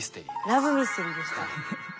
ラブミステリーでした。